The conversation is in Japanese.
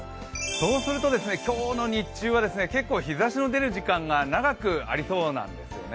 そうすると今日の日中は結構日ざしの出る時間が長くありそうなんですよね。